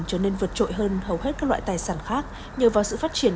trở nên vượt trội hơn hầu hết các loại tài sản khác nhờ vào sự phát triển